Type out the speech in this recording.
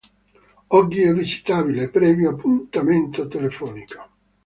Oggi è visitabile previo appuntamento telefonico.